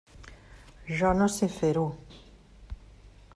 Jo no sé fer-ho.